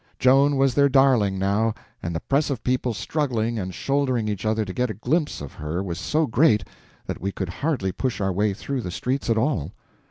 Joan was their darling now, and the press of people struggling and shouldering each other to get a glimpse of her was so great that we could hardly push our way through the streets at all.